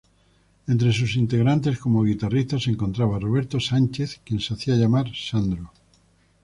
Entre sus integrantes, como guitarrista, se encontraba Roberto Sánchez, quien se hacía llamar Sandro.